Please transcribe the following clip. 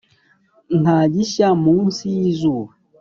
nta gishya munsi y'izuba